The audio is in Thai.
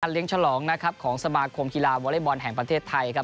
การเลี้ยงฉลองของสมาคมกีฬาวอเล็กบอลแห่งประเทศไทย